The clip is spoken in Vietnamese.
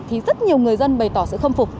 thì rất nhiều người dân bày tỏ sự khâm phục